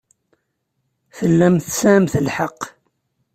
Tellamt tesɛamt lḥeqq.